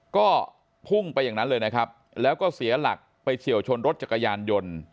ก็พุ่งไปอย่างนั้นเลยนะครับแล้วก็เสียหลักไปเฉียวชนรถจักรยานยนต์